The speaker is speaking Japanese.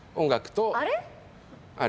あれ？